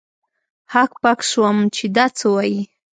هک پک سوم چې دا څه وايي.